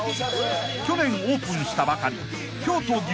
［去年オープンしたばかり京都］